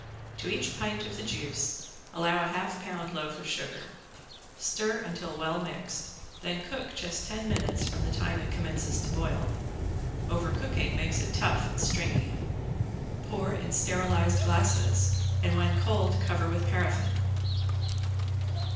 To each pint of the juice allow a half pound loaf sugar. Stir until well mixed, then cook just ten minutes from the time it commences to boil. Overcooking makes it tough and stringy. Pour in sterilized glasses and when cold cover with paraffin.